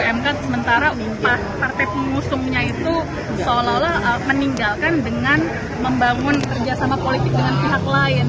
mk sementara umpah partai pengusungnya itu seolah olah meninggalkan dengan membangun kerjasama politik dengan pihak lain